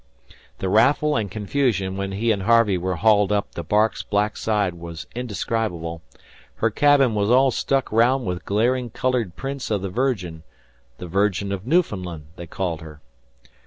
The raffle and confusion when he and Harvey were hauled up the bark's black side was indescribable. Her cabin was all stuck round with glaring coloured prints of the Virgin the Virgin of Newfoundland, they called her.